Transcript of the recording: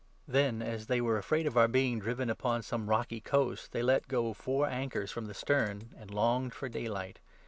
Then, as they were afraid of our being driven 29 Upon some rocky coast, they let go four anchors from the stern, and longed for daylight.